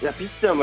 も